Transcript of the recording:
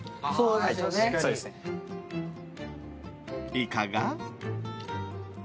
いかが？